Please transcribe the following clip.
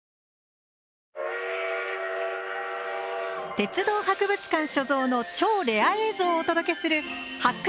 鉄道博物館所蔵の超レア映像をお届けする「発掘！